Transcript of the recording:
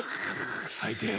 はいて。